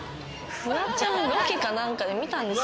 フワちゃん、ロケかなんかで見たんですよ。